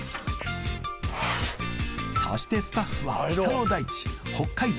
そしてスタッフは北の大地北海道